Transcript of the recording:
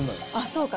そうか。